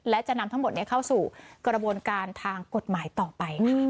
และจะนำทั้งหมดเข้าสู่กระบวนการทางกฎหมายต่อไปค่ะ